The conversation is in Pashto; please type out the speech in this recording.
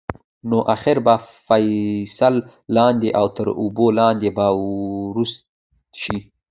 نو اخر به فصل لاندې او تر اوبو لاندې به وروست شي.